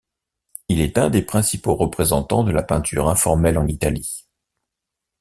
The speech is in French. Il est un des principaux représentants de la peinture informelle en Italie.